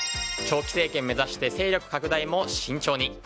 長期政権目指して勢力拡大も慎重に。